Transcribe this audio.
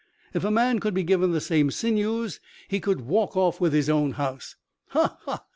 If a man could be given the same sinews he could walk off with his own house." "Ha ha!